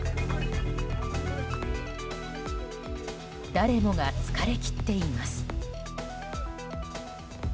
誰もが疲れきっています。